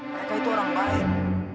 mereka itu orang baik